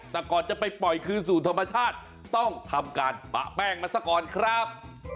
แต่ก่อนจะไปปล่อยคืนสู่ธรรมชาติต้องทำการปะแป้งมาซะก่อนครับ